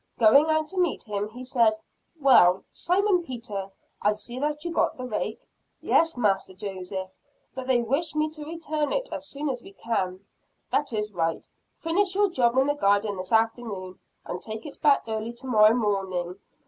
Going out to meet him, he said "Well, Simon Peter, I see that you got the rake." "Yes, Master Joseph; but they wish me to return it as soon as we can." "That is right. Finish your job in the garden this afternoon, and take it back early tomorrow morning.